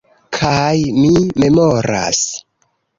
Kaj mi memoras...